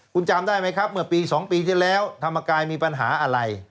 คุณจำได้ไหมครับเมื่อปี๒ปีที่แล้วธรรมกายมีปัญหาอะไร